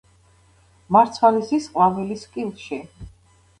მარცვალი ზის ყვავილის კილში.